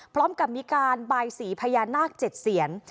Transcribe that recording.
พร้อมกับมีการบายสีพญานาค๗เสียน